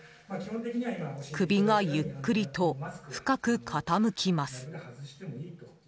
首がゆっくりと深く傾きます。